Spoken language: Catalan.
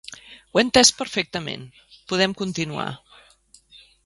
Ho he entès perfectament, podem continuar.